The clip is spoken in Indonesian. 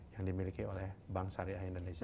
yang dimiliki oleh bank syariah indonesia